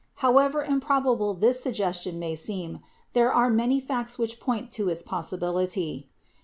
However improbable this suggestion may seem, there are many facts which point to its possibility.